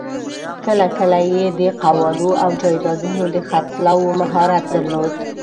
کله کله یې د قوالو او جایدادونو د خرڅلاوو مهارت درلود.